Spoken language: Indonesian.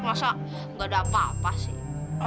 masa gak ada apa apa sih